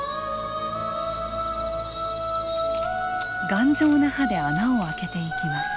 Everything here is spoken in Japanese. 頑丈な歯で穴を開けていきます。